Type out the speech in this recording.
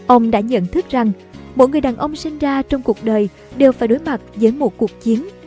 ông đã nhận thức rằng mỗi người đàn ông sinh ra trong cuộc đời đều phải đối mặt với một cuộc chiến